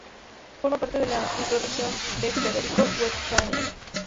Forma parte de la Microrregión de Frederico Westphalen.